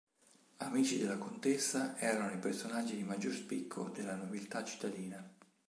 Amici della contessa erano i personaggi di maggior spicco della nobiltà cittadina.